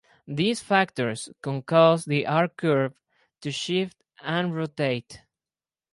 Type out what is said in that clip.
These factors can cause the R curve to shift and rotate.